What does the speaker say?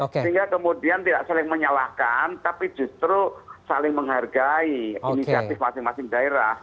sehingga kemudian tidak saling menyalahkan tapi justru saling menghargai inisiatif masing masing daerah